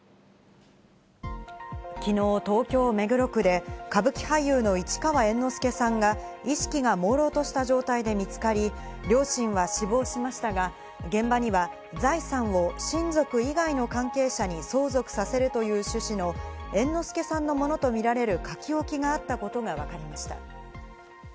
きのう東京・目黒区で歌舞伎俳優の市川猿之助さんが、意識がもうろうとした状態で見つかり、両親は死亡しましたが、現場には財産を親族以外の関係者に相続させるという趣旨の猿之助さんのものとみられる書き置きがあったことがわかりました。